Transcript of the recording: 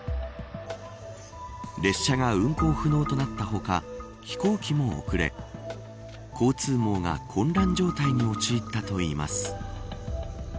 列車が運行不能となった他飛行機も遅れ交通網が混乱状態に陥ったといいます。